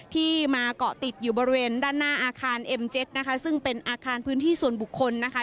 ที่มาเกาะติดอยู่บริเวณด้านหน้าอาคารเอ็มเจ็กนะคะซึ่งเป็นอาคารพื้นที่ส่วนบุคคลนะคะ